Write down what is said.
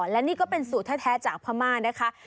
และนี่ก็เป็นสูตรแท้จากพม่านะคะ